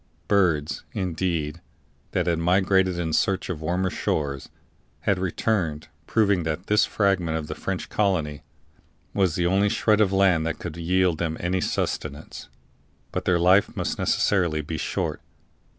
Birds, indeed, that had migrated in search of warmer shores, had returned, proving that this fragment of the French colony was the only shred of land that could yield them any sustenance; but their life must necessarily be short.